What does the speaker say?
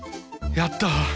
やった！